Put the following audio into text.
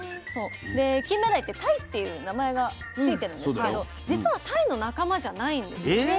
でキンメダイってタイっていう名前が付いてるんですけど実はタイの仲間じゃないんですよ。